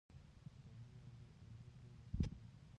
د شاه جوی انځر ډیر مشهور دي.